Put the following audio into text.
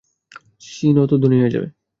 চিনো তো ধনী হয়ে যাবে।